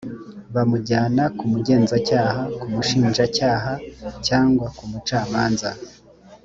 bamujyana ku mugenzacyaha ku mushinjacyaha cyangwa ku mucamanza